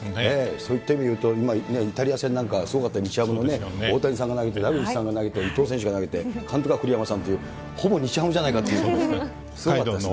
そういった意味でいうとイタリア戦はすごかった、日ハムの大谷さんが投げて、ダルビッシュさんが投げて、伊藤選手が投げて、監督は栗山さんっていう、ほぼ日ハムじゃないすごかったです。